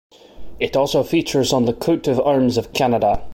It also features on the coat of arms of Canada.